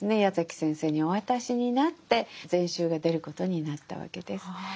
矢崎先生にお渡しになって全集が出ることになったわけです。